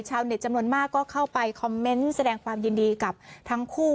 เน็ตจำนวนมากก็เข้าไปคอมเมนต์แสดงความยินดีกับทั้งคู่